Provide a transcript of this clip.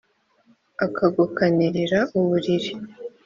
akagukanirira uburiri.